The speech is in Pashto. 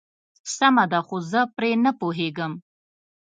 سمه ده خو زه پرې نه پوهيږم.